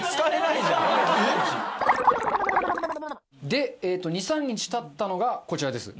で２３日経ったのがこちらです。